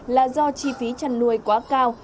là do chi phí chăn nuôi quá cao